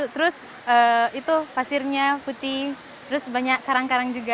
terus itu pasirnya putih terus banyak karang karang juga